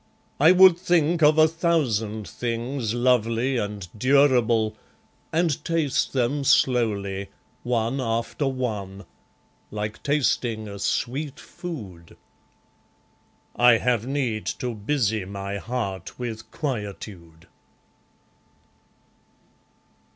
I would think of a thousand things, Lovely and durable, and taste them slowly, One after one, like tasting a sweet food. I have need to busy my heart with quietude.